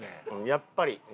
やっぱり。